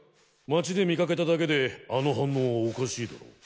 街で見かけただけであの反応はおかしいだろ。